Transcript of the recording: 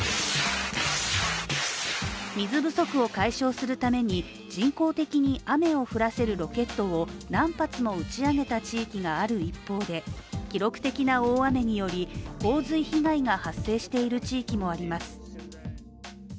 水不足を解消するために人工的に雨を降らせるロケットを何発も打ち上げた地域がある一方で記録的な大雨により洪水被害が発生している地域もあります。